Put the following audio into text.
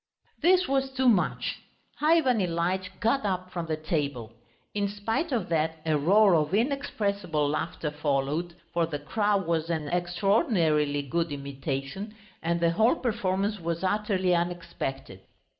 This was too much. Ivan Ilyitch got up from the table. In spite of that, a roar of inexpressible laughter followed, for the crow was an extraordinarily good imitation, and the whole performance was utterly unexpected.